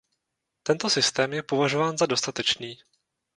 Tento systém je považován za dostatečný.